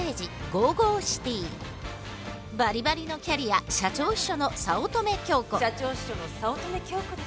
バリバリのキャリア社長秘書の早乙女京子です。